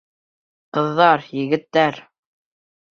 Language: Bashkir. Ҡыҙҙар, егеттәр!